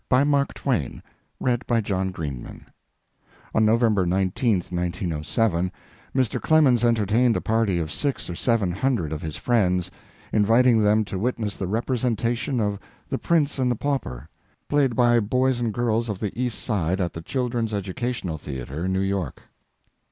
THE EDUCATIONAL THEATRE On November 19, 1907, Mr. Clemens entertained a party of six or seven hundred of his friends, inviting them to witness the representation of "The Prince and the Pauper," played by boys and girls of the East Side at the Children's Educational Theatre, New York.